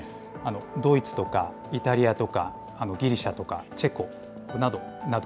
ドイツとかイタリアとか、ギリシャとかチェコなどなど。